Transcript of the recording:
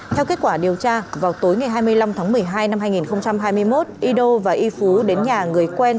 theo kết quả điều tra vào tối hai mươi năm tháng một mươi hai năm hai nghìn hai mươi một ido và y phú đến nhà người quen